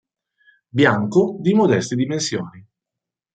Bianco, di modeste dimensioni.